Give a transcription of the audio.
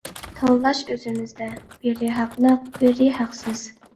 تاللاش ئۆزىمىزدە، بىرى ھەقلىق، بىرى ھەقسىز.